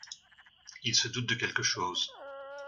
Il se doute de quelque chose.